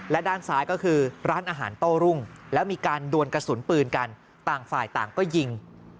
และด้านซ้ายก็คือร้านอาหารโต้รุ่งแล้วมีการดวนกระสุนปืนกันต่างฝ่ายต่างก็ยิง